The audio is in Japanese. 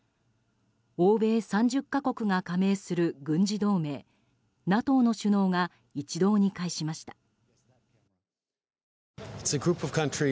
欧米３０か国が加盟する軍事同盟ＮＡＴＯの首脳が一堂に会しました。